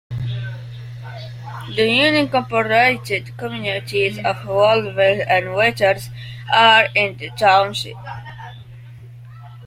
The unincorporated communities of Wahlville and Watters are in the township.